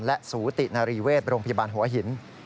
และสูตินารีเวชโรงพยาบาลหัวหิน